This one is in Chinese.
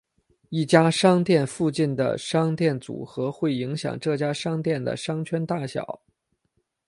一家商店附近的商店组合会影响这家商店的商圈大小。